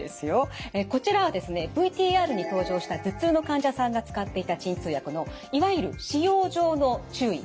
こちらはですねＶＴＲに登場した頭痛の患者さんが使っていた鎮痛薬のいわゆる「使用上の注意」